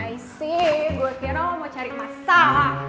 i see gue kira lo mau cari masalah